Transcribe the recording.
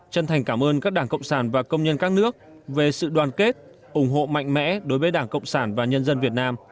chân thành cảm ơn các đảng cộng sản và công nhân các nước về sự đoàn kết ủng hộ mạnh mẽ đối với đảng cộng sản và nhân dân việt nam